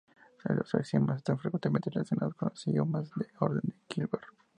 Los axiomas están fuertemente relacionados con los axiomas de orden de Hilbert.